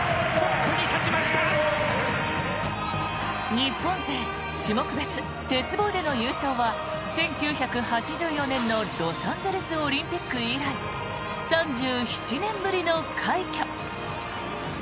日本勢種目別鉄棒での優勝は１９８４年のロサンゼルスオリンピック以来３７年ぶりの快挙。